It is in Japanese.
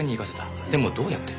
でもどうやって？